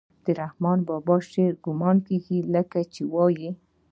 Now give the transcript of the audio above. د رحمان بابا د شاعرۍ ګمان کيږي لکه چې وائي: